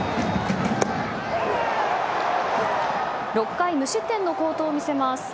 ６回無失点の好投を見せます。